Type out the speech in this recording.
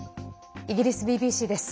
イギリスＢＢＣです。